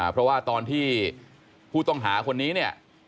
เพราะว่าตอนที่ผู้ต้องหาคนนี้เนี่ย